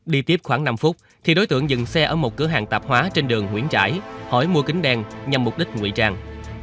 đi tiếp khoảng năm phút thì đối tượng dừng xe ở một cửa hàng tạp hóa trên đường nguyễn trãi hỏi mua kính đen nhằm mục đích nguy trang